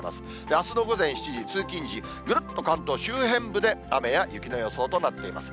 あすの午前７時、通勤時、ぐるっと関東周辺部で雨や雪の予想となっています。